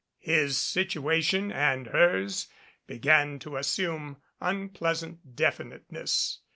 His situation and hers began to as sume unpleasant definiteness.